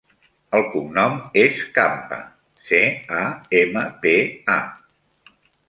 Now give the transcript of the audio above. El cognom és Campa: ce, a, ema, pe, a.